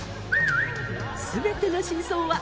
全ての真相は